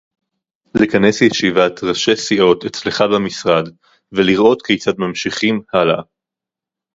לכנס ישיבת ראשי סיעות אצלך במשרד ולראות כיצד ממשיכים הלאה